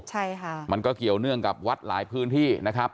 ใช่ค่ะมันก็เกี่ยวเนื่องกับวัดหลายพื้นที่นะครับ